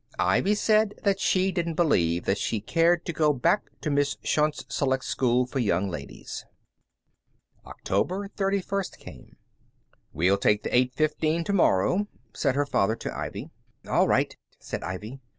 Ivy said that she didn't believe that she cared to go back to Miss Shont's select school for young ladies. October thirty first came. "We'll take the eight fifteen to morrow," said her father to Ivy. "All right," said Ivy.